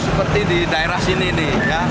seperti di daerah sini ini